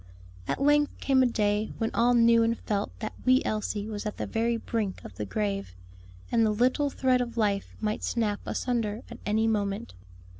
At length came a day when all knew and felt that wee Elsie was at the very brink of the grave, and the little thread of life might snap asunder at any moment.